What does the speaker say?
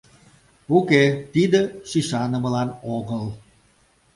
— Уке, тиде сӱсанымылан огыл...